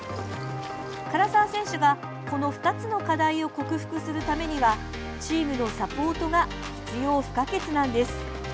唐澤選手が、この２つの課題を克服するためにはチームのサポートが必要不可欠なんです。